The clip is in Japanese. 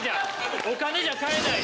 お金じゃ買えない。